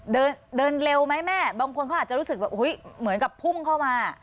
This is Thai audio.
เดินเดินเร็วไหมแม่บางคนเขาอาจจะรู้สึกแบบอุ้ยเหมือนกับพุ่งเข้ามา